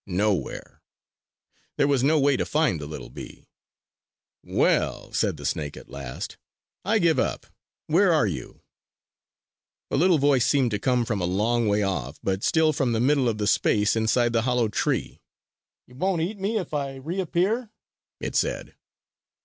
Nowhere! There was no way to find the little bee! "Well," said the snake at last, "I give up! Where are you?" A little voice seemed to come from a long way off, but still from the middle of the space inside the hollow tree. "You won't eat me if I reappear?" it said.